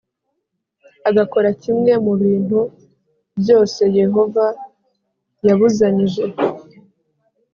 Agakora kimwe mu bintu byose yehova yabuzanyije